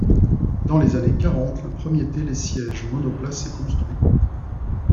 Dans les années quarante, le premier télésiège monoplace est construit.